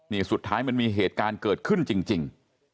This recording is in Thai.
นี่สุดท้ายมันมีเหตุการณ์เกิดขึ้นจริง